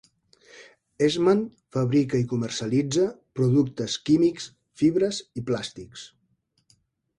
Eastman fabrica i comercialitza productes químics, fibres i plàstics.